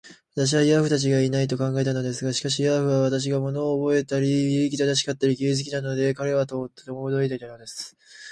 私をヤーフにちがいない、と考えていたのです。しかし、ヤーフの私が物をおぼえたり、礼儀正しかったり、綺麗好きなので、彼はとても驚いたらしいのです。